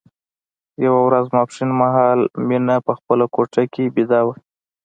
یوه ورځ ماسپښين مهال مينه په خپله کوټه کې ويده وه